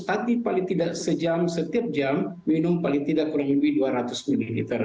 tapi paling tidak setiap jam minum paling tidak kurang lebih dua ratus ml